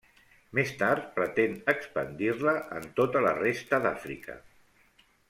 Més tard pretén expandir-la en tota la resta d'Àfrica.